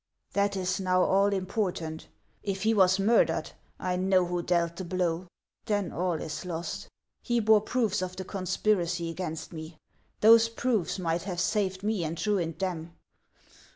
" That is now all important. If he was murdered, I know who dealt the blow. Then all is lost. He bore proof's of the conspiracy against me. Those proofs might have saved me and ruined them